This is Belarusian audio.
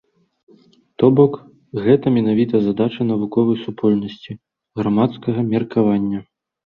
То бок, гэта менавіта задача навуковай супольнасці, грамадскага меркавання.